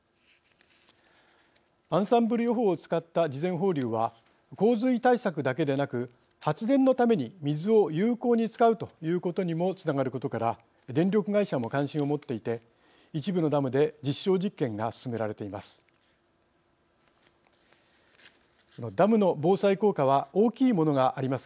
アンサンブル予報を使った事前放流は洪水対策だけでなく発電のために水を有効に使うということにもつながることから電力会社も関心を持っていて一部のダムで実証実験が進められています。